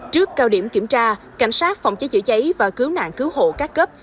trước cao điểm kiểm tra cảnh sát phòng cháy chữa cháy và cứu nạn cứu hộ các cấp